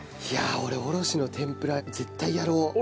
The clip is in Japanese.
いやあ俺おろしの天ぷら絶対やろう。